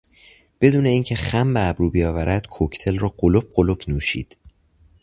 بدون این که خم به ابرو بیاورد کوکتل را قلپ قلپ نوشید.